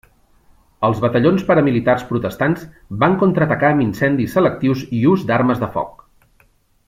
Els batallons paramilitars protestants van contraatacar amb incendis selectius i ús d'armes de foc.